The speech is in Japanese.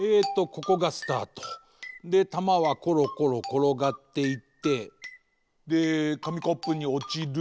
ここがスタート。でたまはコロコロころがっていってでかみコップにおちる。